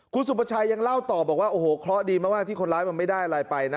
คุณสุภาชัยยังเล่าต่อบอกว่าโอ้โหเคราะห์ดีมากที่คนร้ายมันไม่ได้อะไรไปนะ